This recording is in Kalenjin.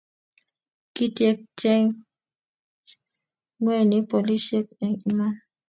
kityekchech ng'weny polisiek eng' iman